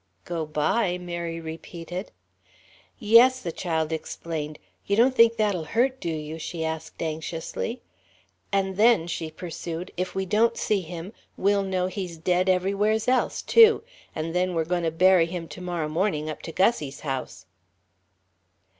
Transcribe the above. "Go by?" Mary repeated. "Yes," the child explained; "you don't think that'll hurt, do you?" she asked anxiously. "And then," she pursued, "if we don't see him, we'll know he's dead everywheres else, too. An' then we're goin' bury him to morrow morning, up to Gussie's house."